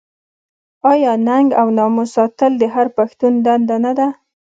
آیا ننګ او ناموس ساتل د هر پښتون دنده نه ده؟